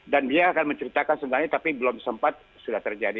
dia akan menceritakan sebenarnya tapi belum sempat sudah terjadi